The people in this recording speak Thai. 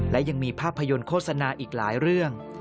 และยังมีภาพยนตร์โฆษณาอีกหลายเรื่อง